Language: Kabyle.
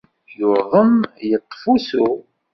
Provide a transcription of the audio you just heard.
Yuḍen, yeṭṭef usu.